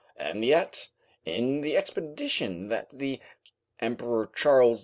And yet, in the expedition that the Emperor Charles V.